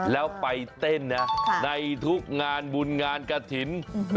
แล้วไปเต้นนะในทุกงานบุญงานกระถิ่น